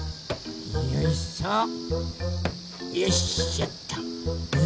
よいしょよいしょっと。